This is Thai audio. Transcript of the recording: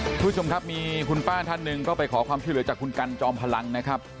คุณผู้ชมครับมีคุณป้าท่านหนึ่งก็ไปขอความช่วยเหลือจากคุณกันจอมพลังนะครับ